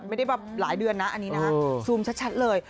ไม่ได้แบบหลายเดือนนะอันนี้นะซูมชัดเลย